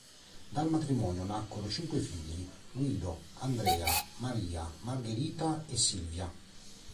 Dal matrimonio nacquero cinque figli: Guido, Andrea, Maria, Margherita e Silvia.